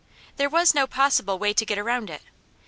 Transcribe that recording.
There was no possible way to get around it.